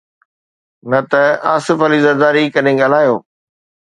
نه ته آصف علي زرداري ڪڏهن ڳالهايو.